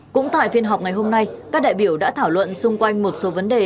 cũng tại phiên họp ngày hôm nay các đại biểu đã thảo luận xung quanh một số vấn đề